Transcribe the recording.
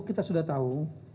kita sudah tahu